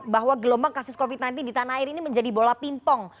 bahwa gelombang kasus covid sembilan belas di tanah air ini menjadi bola pimpong